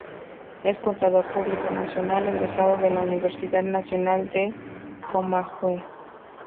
Es contador público nacional, egresado de la Universidad Nacional del Comahue.